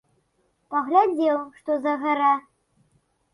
Паглядзеў, што за гара.